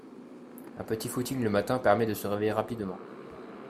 Un petit footing le matin permet de se réveiller rapidement